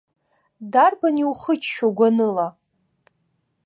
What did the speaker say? Дарбан иухыччо гәаныла?